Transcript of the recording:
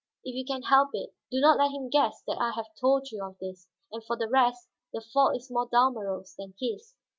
If you can help it, do not let him guess that I have told you of this. And for the rest, the fault is more Dalmorov's than his."